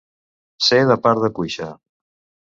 Ser de part de cuixa.